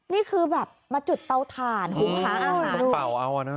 นี่คือแบบมาจุดเตาถ่านหุงหาอาหารเป่าเอาอ่ะนะ